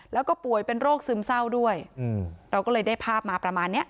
แล้วก็ป่วยเป็นโรคซึมเศร้าด้วยเราก็เลยได้ภาพมาประมาณเนี้ย